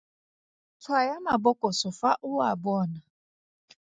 Tshwaya mabokoso fa o a bona.